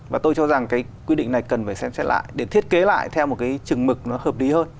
và tôi cho rằng cái quy định này cần phải xem xét lại để thiết kế lại theo một cái chừng mực nó hợp lý hơn